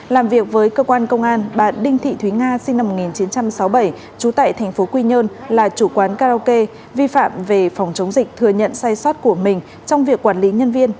làm việc với cơ quan công an bà đinh thị thúy nga sinh năm một nghìn chín trăm sáu mươi bảy trú tại tp quy nhơn là chủ quán karaoke vi phạm về phòng chống dịch thừa nhận sai sót của mình trong việc quản lý nhân viên